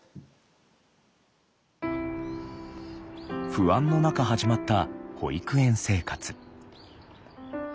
不安の中始まった保育園生活。